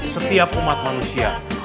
setiap umat manusia